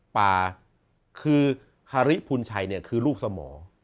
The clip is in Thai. ป่าคือฮาริพุนชัยเนี่ยคือลูกสมอง